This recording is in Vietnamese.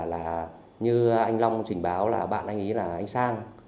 là như anh long trình báo là bạn anh ý là anh sang